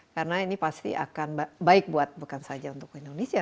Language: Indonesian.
karena ini pasti akan baik buat bukan saja untuk indonesia